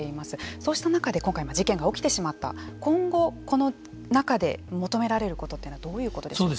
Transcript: そうした中で今回事件が起きてしまった今後、この中で求められることはどういうことでしょうか。